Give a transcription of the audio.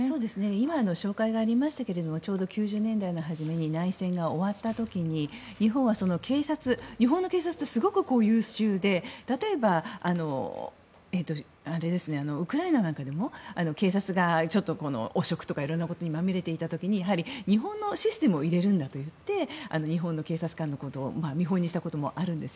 今、照会がありましたがちょうど９０年代初めに内戦が終わった時に日本は警察日本の警察ってすごく優秀で例えば、ウクライナなんかでも警察が汚職とか色んなことにまみれていた時にやはり、日本のシステムを入れるんだといって日本の警察官のことを見本にしたこともあるんです。